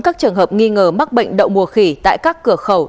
các trường hợp nghi ngờ mắc bệnh đậu mùa khỉ tại các cửa khẩu